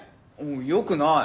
よくない！